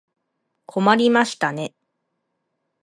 困りましたね。